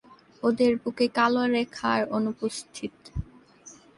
ওদের বুকে কালো রেখার অনুপস্থিত।